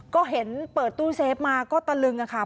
ก็เห็นเปิดตู้เซฟมาก็ตะลึงค่ะ